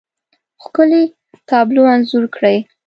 ښکلې، تابلو انځور کړي